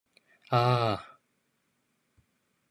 啊呀